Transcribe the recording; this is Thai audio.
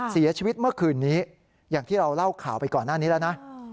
เสียชีวิตเมื่อคืนนี้อย่างที่เราเล่าข่าวไปก่อนหน้านี้แล้วนะ